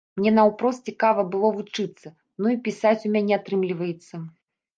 Мне наўпрост цікава было вучыцца, ну і пісаць у мяне атрымліваецца.